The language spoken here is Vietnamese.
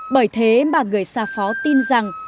bởi thế mà người xa phó tin rằng